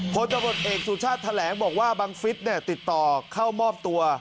พจบทเอกสุชาติแถลงบอกว่าบังฟิศเนี่ยติดต่อเข้ามอบตัว